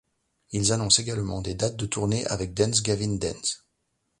Ils annoncent également des dates de tournées avec Dance Gavin Dance.